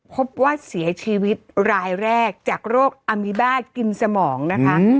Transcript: พบว่าเสียชีวิตรายแรกจากโรคอมิบาสกินสมองนะคะ